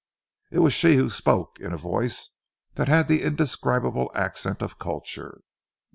It was she who spoke in a voice that had the indescribable accent of culture.